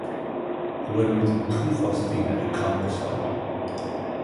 Go bhfuair muid an t-uafás daoine ag canbhasáil.